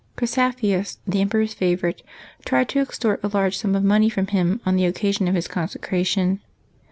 Chrysaphius, the emperor's favorite, tried to extort a large sum of money from him on the occasion of his consecration.